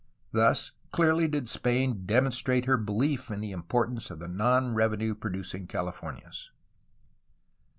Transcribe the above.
Thus clearly did Spain demonstrate her belief in the importance of the non revenue producing Calif ornias.